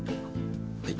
はい。